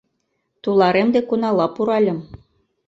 Туларем дек унала пуральым.